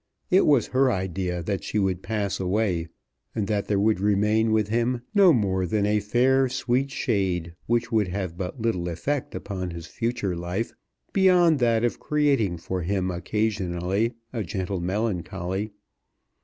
It was her idea that she would pass away, and that there would remain with him no more than a fair sweet shade which would have but little effect upon his future life beyond that of creating for him occasionally a gentle melancholy.